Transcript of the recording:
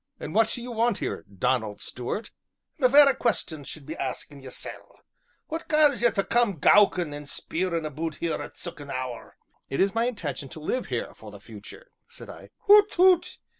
"And what do you want here, Donald Stuart?" "The verra question she'd be askin' ye'sel' wha' gars ye tae come gowkin' an' spierin' aboot here at sic an hour?" "It is my intention to live here, for the future," said I. "Hoot toot!